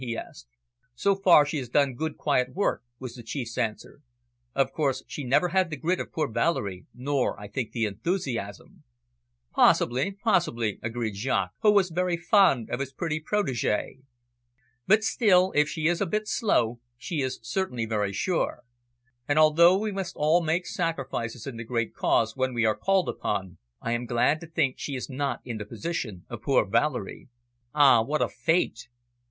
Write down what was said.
he asked. "So far she has done good quiet work," was the chief's answer. "Of course, she never had the grit of poor Valerie, nor, I think, the enthusiasm." "Possibly, possibly," agreed Jaques, who was very fond of his pretty protegee. "But still, if she is a bit slow, she is certainly very sure. And, although we must all make sacrifices in the great cause when we are called upon, I am glad to think she is not in the position of poor Valerie. Ah, what a fate!"